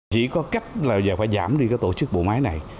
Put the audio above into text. chỉ có cách là phải giảm đi cái tổ chức bộ máy này